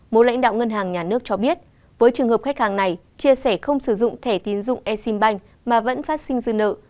một lãnh đạo ngân hàng nhà nước cho biết với trường hợp khách hàng này chia sẻ không sử dụng thẻ tín dụng e sim banh mà vẫn phát sinh dư nợ